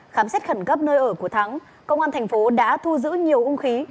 khám xét khẩn cấp nơi ở của thắng công an tp đã thu giữ nhiều ung khí